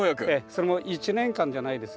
それも１年間じゃないですよ。